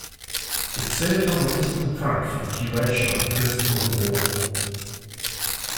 It served on the Western Front for the duration of the First World War.